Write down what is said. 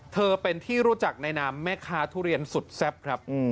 เธอเป็นที่รู้จักในนามแม่ค้าทุเรียนสุดแซ่บครับ